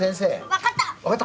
分かった？